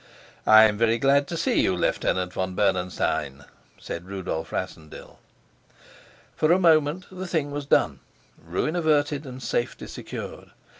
"I'm very glad to see you, Lieutenant von Bernenstein," said Rudolf Rassendyll. For a moment the thing was done, ruin averted, and safety secured.